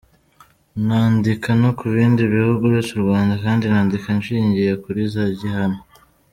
Nandika no kubindi bihugu uretse u Rwanda kandi nandika nshingiye kuri za gihamya.